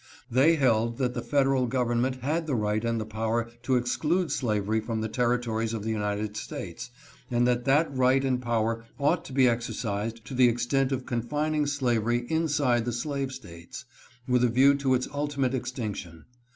They held that the Federal Government had the right and the power to exclude slavery from the territories of the United States, and that that right and power ought to be exercised to the extent of confining slavery inside the slave States, with a view to its ultimate extinction.